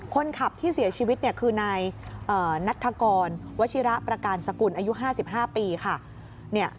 คนขับที่เสียชีวิตคือนายนัฐกรวชิระประการสกุลอายุ๕๕ปีค่ะ